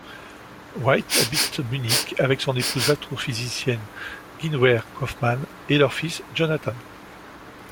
White habite Munich avec son épouse l'astrophysicienne Guinevere Kauffmann et leur fils Jonathan.